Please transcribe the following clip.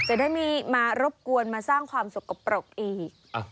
จะได้ไม่มารบกวนมาสร้างความสกปรกอีก